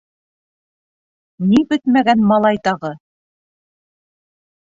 — Ни бөтмәгән малай тағы?